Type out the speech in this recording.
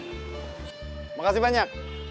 terima kasih banyak